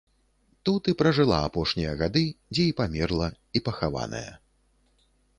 Тут і пражыла апошнія гады, дзе і памерла, і пахаваная.